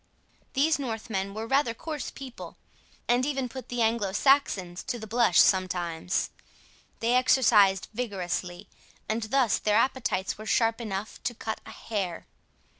These Northmen were rather coarse people, and even put the Anglo Saxons to the blush sometimes. They exercised vigorously, and thus their appetites were sharp enough to cut a hair.